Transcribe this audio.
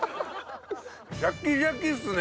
シャキシャキっすね！